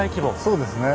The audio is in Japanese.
そうですね。